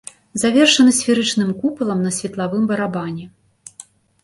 Завершаны сферычным купалам на светлавым барабане.